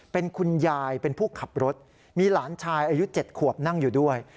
เป็นคุณยายเป็นผู้ขับรถมีหลานชายอายุ๗ขวบนั่งอยู่ด้วย